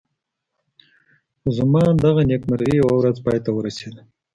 خو زما دغه نېکمرغي یوه ورځ پای ته ورسېده.